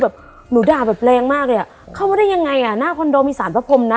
อเรนนี่เรียกเลยเข้ามาได้ยังไงน่ะคนโดมีสารพะพรมนะ